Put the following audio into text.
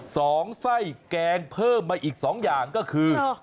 สองไส้แกงเพิ่มมาอีกสองอย่างก็คือ